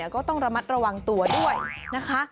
ก็ต้องระมัดระวังตัวด้วยนะคะ